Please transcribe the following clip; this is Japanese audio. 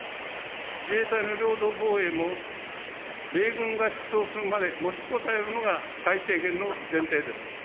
自衛隊の領土防衛も米軍が出動するまで持ちこたえるのが最低限の前提です。